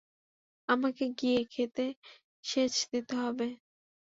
আমাকে গিয়ে ক্ষেতে সেচ দিতে হবে।